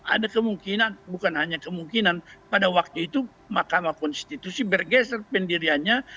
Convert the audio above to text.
ada kemungkinan bukan hanya kemungkinan pada waktu itu makamah konstitusi bergeser pendiriannya